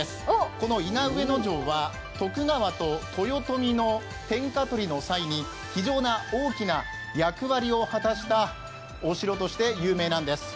この伊賀上野城は徳川と豊臣の天下取りの際に非常な大きな役割を果たしたお城として有名なんです。